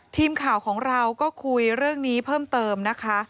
ทีมข่าวของเราก็คุยเรื่องนี้เพิ่มเติมนะคะ